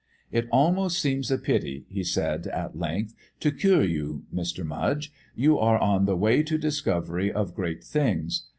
"It almost seems a pity," he said at length, "to cure you, Mr. Mudge. You are on the way to discovery of great things.